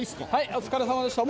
お疲れさまでした。